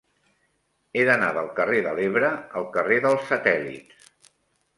He d'anar del carrer de l'Ebre al carrer dels Satèl·lits.